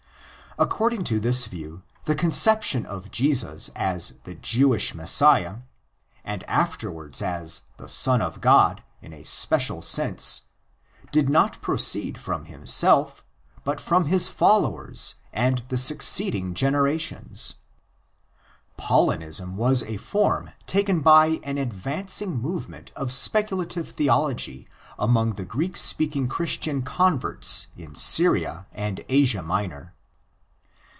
According to this view, the conception of Jesus as the Jewish Messiah, and afterwards as the Son of God in a special sense, did not proceed from himself, but from his followers and the succeeding generations. Paulinism was ἃ form taken by an advancing movement of speculative theology among the Greek speaking Christian converts in Syria and Asia Minor.